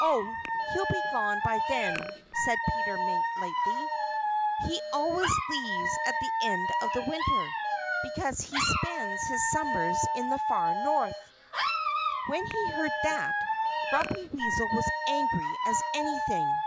"Oh! He'll be gone by then," said Peter Mink lightly. "He always leaves at the end of the winter, because he spends his summers in the Far North." When he heard that, Grumpy Weasel was angry as anything.